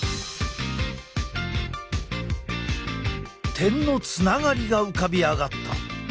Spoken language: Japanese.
点のつながりが浮かび上がった。